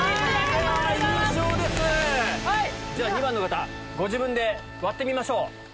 ２番の方ご自分で割ってみましょう。